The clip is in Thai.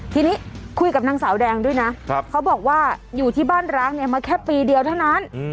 ทีนี้คุยกับนางสาวแดงด้วยนะเขาบอกว่าอยู่ที่บ้านร้างเนี่ยมาแค่ปีเดียวเท่านั้น